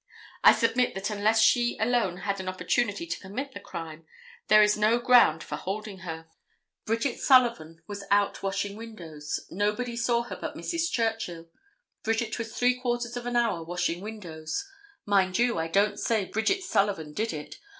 I submit that unless she alone had an opportunity to commit the crime there is no ground for holding her. Bridget Sullivan was out washing windows. Nobody saw her but Mrs. Churchill. Bridget was three quarters of an hour washing windows. Mind you, I don't say Bridget Sullivan did it.